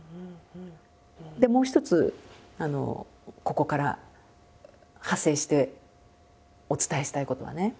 でもう一つここから派生してお伝えしたいことはね